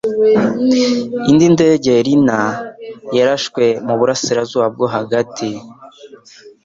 indi ndege-liner yarashwe mu burasirazuba bwo hagati.